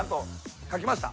書きました？